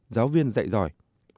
giáo viên dạy giỏi